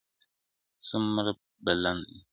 o څومره بلند دی.